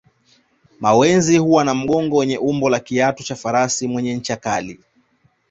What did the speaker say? Mawenzi huwa na mgongo wenye umbo la kiatu cha farasi mwenye ncha kali